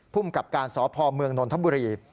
พุ่มกับการสอบภอมเมืองนนทบุรี